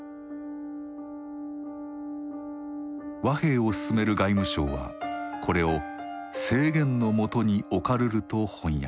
和平を進める外務省はこれを「制限の下に置かるる」と翻訳。